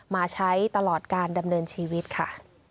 มาใช้ตลอดการดำเนินชีวิตค่ะ